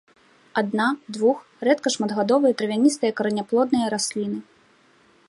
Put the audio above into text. Адна-, двух-, рэдка шматгадовыя травяністыя караняплодныя расліны.